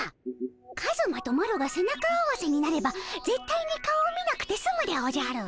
カズマとマロが背中合わせになればぜったいに顔を見なくてすむでおじゃる。